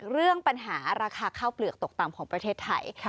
เรื่องปัญหาราคาข้าวเปลือกตกต่ำของประเทศไทย